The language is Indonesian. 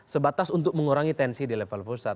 sebatas untuk mengurangi tensi di level pusat